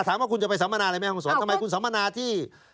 ถามว่าคุณจะไปสำนานะอะไรแม่ห้องสรทำไมคุณสำนานะที่